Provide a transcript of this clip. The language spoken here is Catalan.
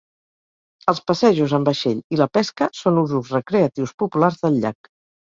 Els passejos amb vaixell i la pesca són usos recreatius populars del llac.